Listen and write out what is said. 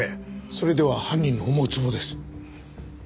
それでは犯人の思うつぼです。